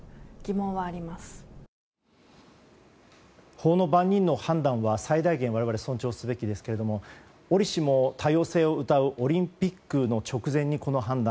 法の番人の判断は我々は最大限、尊重すべきですがおりしも多様性をうたうオリンピックの直前にこの判断。